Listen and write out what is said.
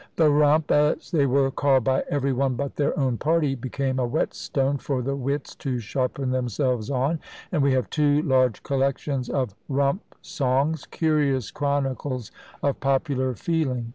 The "Rump," as they were called by every one but their own party, became a whetstone for the wits to sharpen themselves on; and we have two large collections of "Rump Songs," curious chronicles of popular feeling!